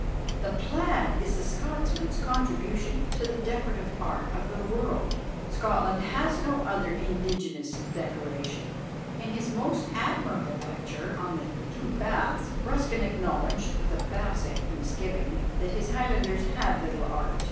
The plaid is the Scotchman's contribution to the decorative art of the world. Scotland has no other indigenous decoration. In his most admirable lecture on "The Two Paths," Ruskin acknowledged, with a passing misgiving, that his Highlanders had little art.